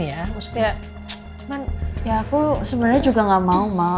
ya aku sebenernya juga gak mau mau